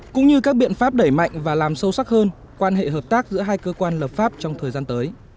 cũng như các biện pháp đẩy mạnh và làm sâu sắc hơn quan hệ hợp tác giữa hai cơ quan lập pháp trong thời gian tới